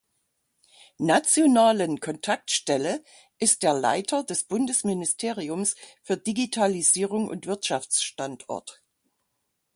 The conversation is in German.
Nationalen Kontaktstelle ist der Leiter des Bundesministeriums für Digitalisierung und Wirtschaftsstandort.